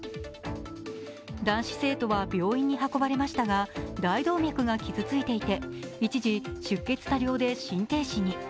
男子生徒は病院に運ばれましたが大動脈が傷ついていて一時、出血多量で心停止に。